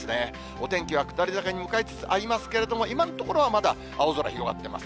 お天気はくだりざかにむかいつつありますけれども今のところはまだ、青空広がっています。